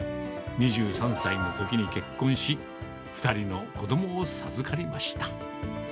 ２３歳のときに結婚し、２人の子どもを授かりました。